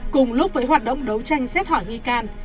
cùng lúc với hoạt động đấu tranh xét hỏi nghi can